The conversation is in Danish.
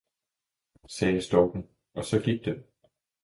sagde storken, og så gik den.